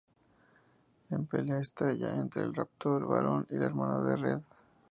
Una pelea estalla entre el raptor varón y la hermana de Red.